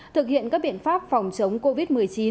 thực hiện các biện pháp phòng chống covid một mươi chín